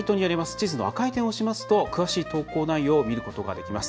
地図の赤い点を押しますと詳しい投稿内容を見ることができます。